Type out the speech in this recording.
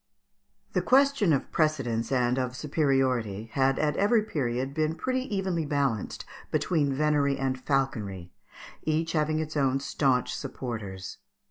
The question of precedence and of superiority had, at every period, been pretty evenly balanced between venery and falconry, each having its own staunch supporters.